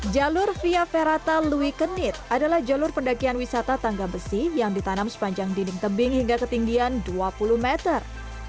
jalur via ferata louis kenit adalah jalur pendakian wisata tangga besi yang ditanam sepanjang dinding tebing hingga ketinggian dua puluh meter